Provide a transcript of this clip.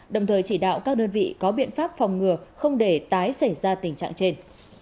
đồng thời chỉ đạo các đơn vị có biện pháp phòng ngừa không để tái xảy ra tình trạng trên